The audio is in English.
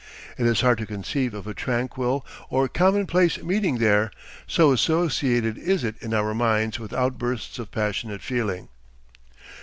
It is hard to conceive of a tranquil or commonplace meeting there, so associated is it in our minds with outbursts of passionate feeling.